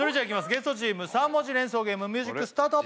ゲストチーム３文字連想ゲームミュージックスタート！